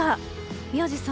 宮司さん